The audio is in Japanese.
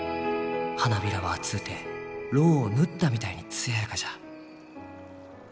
花びらは厚うてロウを塗ったみたいに艶やかじゃ。